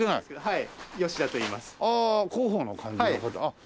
はい。